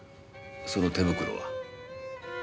その手袋は？